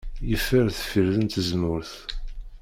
Yeffer deffir n tzemmurt.